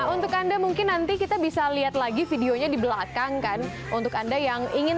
untuk anda mungkin nanti kita bisa lihat lagi videonya di belakang kan untuk anda yang ingin